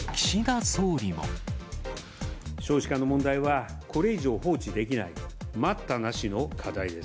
少子化の問題は、これ以上放置できない、待ったなしの課題です。